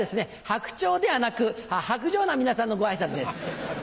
白鳥ではなくハクジョウな皆さんのご挨拶です。